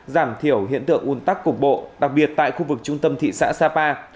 giảm thiểu hiện tượng ùn tắc cục bộ đặc biệt tại khu vực trung tâm thị xã sapa